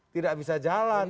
tidak bisa jalan